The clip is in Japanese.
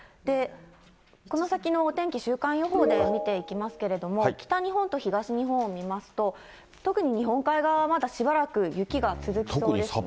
この先のお天気、週間予報で見ていきますけれども、北日本と東日本を見ますと、特に日本海側は、まだしばらく雪が続きそうですね。